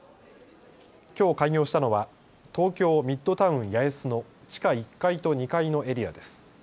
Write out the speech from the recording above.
きょう開業したのは東京ミッドタウン八重洲の地下１階と２階のエリアです。